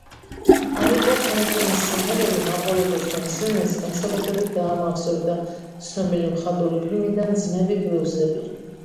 არეტა ფრანკლინის სიმღერები მაყურებელს და მსმენელს განსაკუთრებით დაამახსოვრდა ცნობილი მხატვრული ფილმიდან „ძმები ბლუზები“.